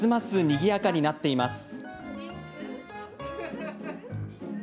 にぎやかになっています。